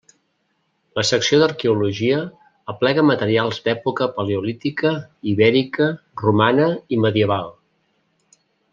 La Secció d'Arqueologia aplega materials d'època paleolítica, ibèrica, romana i medieval.